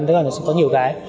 tất cả sẽ có nhiều